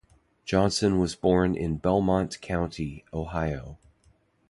Johnson was born in Belmont County, Ohio.